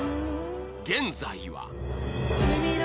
現在は